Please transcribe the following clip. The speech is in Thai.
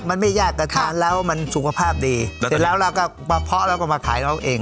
มันไม่ยากแต่ทานแล้วมันสุขภาพดีเสร็จแล้วเราก็มาเพาะแล้วก็มาขายเราเอง